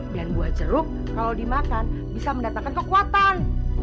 dan gua jeruk kalau dimakan bisa mendatangkan kekuatan